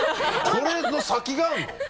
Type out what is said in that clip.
これの先があるの？